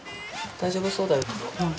大丈夫そうだよで